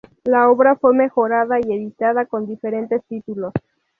La obra fue mejorada y editada con diferentes títulos.